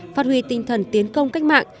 phát huy tinh thần tiến công cách mạng